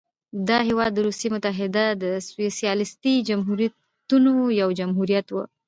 دا هېواد د روسیې متحده سوسیالیستي جمهوریتونو یو جمهوریت و.